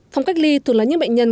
phòng cách ly thuộc là những bệnh nhân